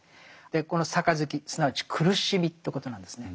「この杯」すなわち苦しみということなんですね。